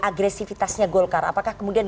agresifitasnya golkar apakah kemudian